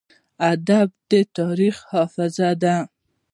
ادب د تاریخ حافظه ده.